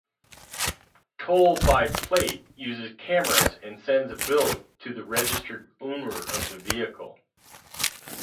Toll-by-Plate uses cameras and sends a bill to the registered owner of the vehicle.